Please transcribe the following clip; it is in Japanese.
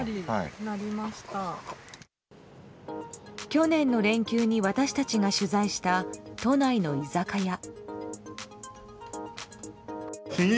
去年の連休に私たちが取材した都内の居酒屋。